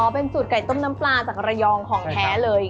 เป็นสูตรไก่ต้มน้ำปลาจากระยองของแท้เลย